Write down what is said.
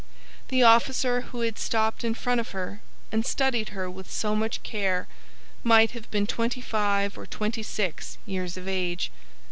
The officer who had stopped in front of her and studied her with so much care might have been twenty five or twenty six years of age.